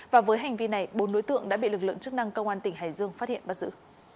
và với hành vi này bốn đối tượng đã bị lực lượng chức năng công an tỉnh hải dương phát hiện bắt giữ